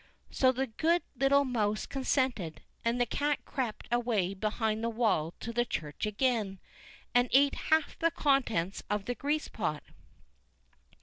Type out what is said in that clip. So the good little mouse consented, and the cat crept away behind the wall to the church again, and ate half the contents of the grease pot.